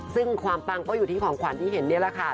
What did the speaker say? ซึ่งความปังก็อยู่ที่ของขวัญที่เห็นนี่แหละค่ะ